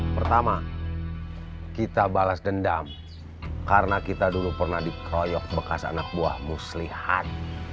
pertama kita balas dendam karena kita dulu pernah dikeroyok bekas anak buah muslihat